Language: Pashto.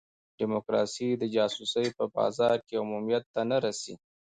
ډیموکراسي د جاسوسۍ په بازار کې عمومیت ته نه رسي.